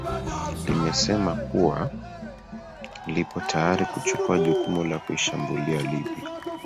limesema kuwa lipo tayari kuchukua jukumu la kuishambulia libya